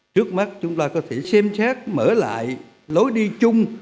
trước mắt chúng ta có thể xem xét mở lại lối đi chung